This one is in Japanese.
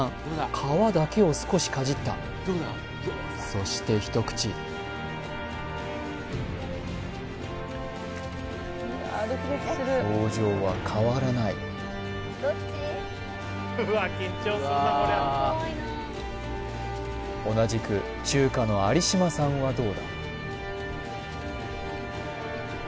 皮だけを少しかじったそして一口表情は変わらない同じく中華の有島さんはどうだ？